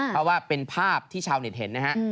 เพราะว่าเป็นภาพที่ชาวเน็ตเห็นนะฮะ